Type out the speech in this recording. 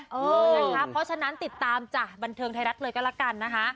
เพราะฉะนั้นติดตามจากบันเทิงไทยรัฐเลยก็แล้วกันนะคะ